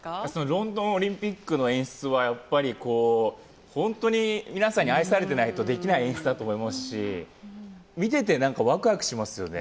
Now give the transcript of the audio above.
ロンドンオリンピックの演出はやっぱり本当に皆さんに愛されてないとできない演出だと思うし見ていて、ワクワクしますよね。